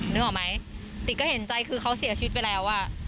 นึกออกมั้ยติ๊กก็เห็นใจคือเขาเสียชีวิตไปแล้ว